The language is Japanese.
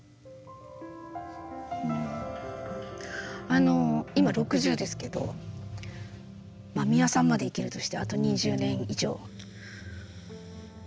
あの今６０ですけど美輪さんまで生きるとしてあと２０年以上どうやって。